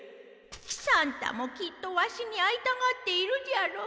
喜三太もきっとワシに会いたがっているじゃろう。